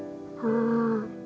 ああ。